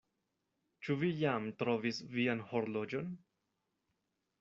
Ĉu vi jam trovis vian horloĝon?